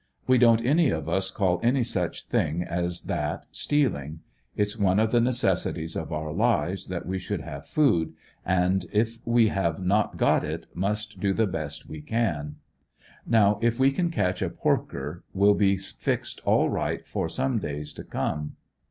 We don't any of us call an}^ such thing as that stealing. It's one of the neces sities of our lives that we should have food, and if we have not got it, must do the best we can. Now if we can catch a porker will be fixed all right for some days to come.